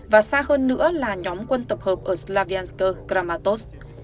và xa hơn nữa là nhóm quân tập hợp ở slavyansk kramatov